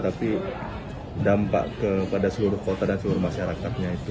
tapi dampak kepada seluruh kota dan seluruh masyarakatnya itu